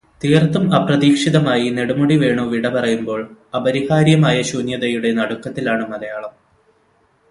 തീർത്തും അപ്രതീക്ഷിതമായി നെടുമുടി വേണു വിട പറയുമ്പോൾ, അപരിഹാര്യമായ ശൂന്യതയുടെ നടുക്കത്തിലാണ് മലയാളം.